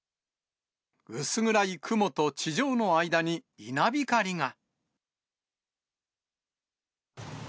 薄暗い雲と地上の間に稲光が。